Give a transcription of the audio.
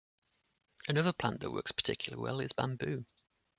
Another plant that works particularly well is bamboo.